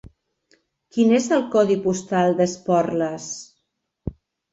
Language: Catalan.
Quin és el codi postal d'Esporles?